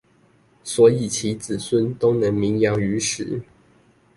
所以其子孫多能名揚於時